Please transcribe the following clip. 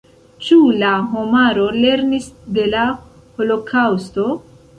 Ĉu la homaro lernis de la holokaŭsto?